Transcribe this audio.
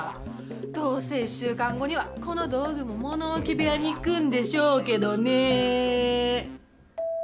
どうせ１週間後にはこの道具も物置部屋に行くんでしょうけどね。